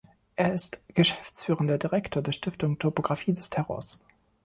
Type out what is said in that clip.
Er ist geschäftsführender Direktor der Stiftung Topographie des Terrors.